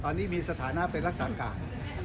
ตอนนี้มีสถานะเป็นรักษาการ